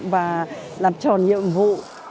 và làm tròn nhiệm vụ